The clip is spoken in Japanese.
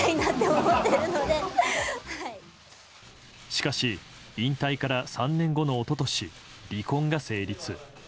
しかし引退から３年後の一昨年離婚が成立。